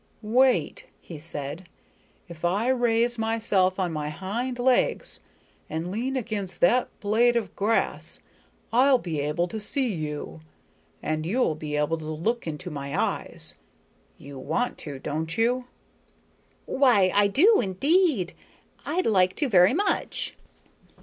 "Wait," he said. "If I raise myself on my hind legs and lean against that blade of grass I'll be able to see you, and you'll be able to look into my eyes. You want to, don't you?" "Why, I do indeed. I'd like to very much."